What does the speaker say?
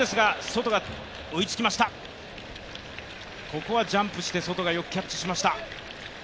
ここはジャンプしてソトがよくキャッチしました。